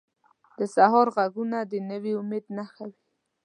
د سهار ږغونه د نوي امید نښه وي.